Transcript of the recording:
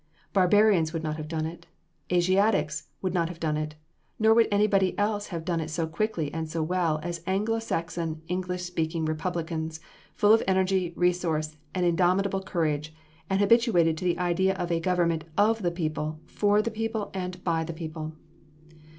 Barbarians would not have done it; Asiatics would not have done it; nor would anybody else have done it so quickly and so well as Anglo Saxon English speaking republicans, full of energy, resource, and indomitable courage, and habituated to the idea of a "government of the people, for the people, and by the people."